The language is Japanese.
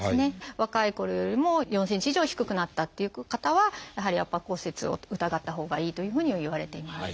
若いころよりも４ｃｍ以上低くなったっていう方はやはり圧迫骨折を疑ったほうがいいというふうにはいわれています。